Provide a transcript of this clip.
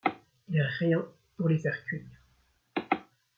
Et rien pour les faire cuire !